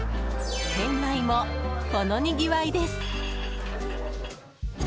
店内も、このにぎわいです。